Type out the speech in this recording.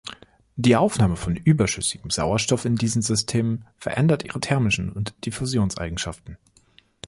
Die Aufnahme von überschüssigem Sauerstoff in diesen Systemen verändert ihre thermischen und Diffusionseigenschaften.